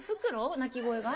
鳴き声が？